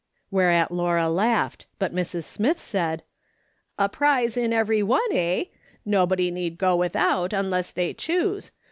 Whereat Laura laughed ; but ]\Irs. Smith said :" A prize in every one, eh ? Nobody need go without unless they choose.